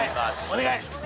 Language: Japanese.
お願い！